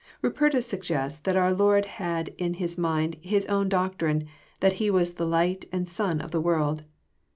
Bupertus suggests that our Lord had in His mind His own doctrine, that He was the Light and Sun of the world.